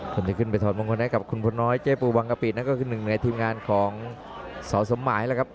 คนที่ขึ้นไปถอดมงคลให้กับคุณพลน้อยเจ๊ปูวังกะปินั่นก็คือหนึ่งในทีมงานของสสมหมายแล้วครับ